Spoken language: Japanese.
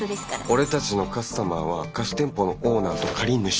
俺たちのカスタマーは貸し店舗のオーナーと借り主。